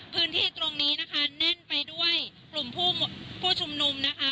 พื้นที่ตรงนี้นะคะแน่นไปด้วยกลุ่มผู้ชุมนุมนะคะ